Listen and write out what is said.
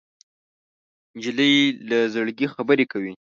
نجلۍ له زړګي خبرې کوي.